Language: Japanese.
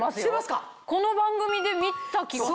この番組で見た気が。